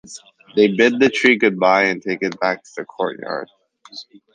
They bid the tree goodbye and take it back to the courtyard.